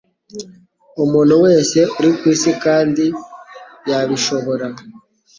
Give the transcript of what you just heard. umuntu wese uri kw'isi kandi yabishobora